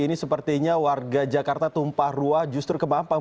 ini sepertinya warga jakarta tumpah ruah justru ke mampang